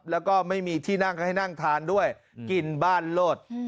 แล้วก็ไม่มีที่นั่งให้นั่งทานด้วยกินบ้านโลด